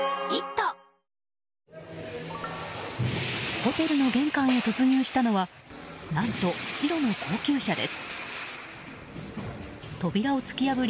ホテルの玄関に突入したのは何と白の高級車です。